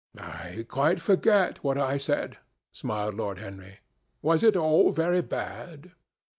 "I quite forget what I said," smiled Lord Henry. "Was it all very bad?"